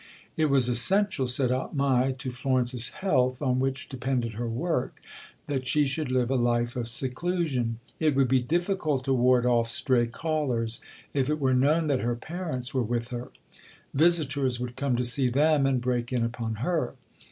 It was essential, said Aunt Mai, to Florence's health, on which depended her work, that she should live a life of seclusion; it would be difficult to ward off stray callers, if it were known that her parents were with her. Visitors would come to see them, and break in upon her.